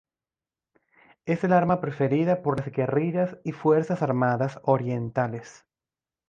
Es el arma preferida por las guerrillas y fuerzas armadas orientales.